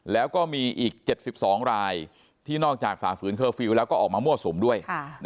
แล้วก็มีอีก๗๒รายที่นอกจากฝ่าฝืนเคอร์ฟิลล์แล้วก็ออกมามั่วสุมด้วย